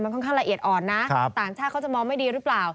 ค่อนข้างละเอียดอ่อนนะต่างชาติเขาจะมองไม่ดีหรือเปล่า